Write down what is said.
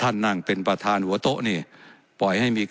และยังเป็นประธานกรรมการอีก